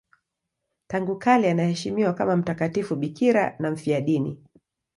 Tangu kale anaheshimiwa kama mtakatifu bikira na mfiadini.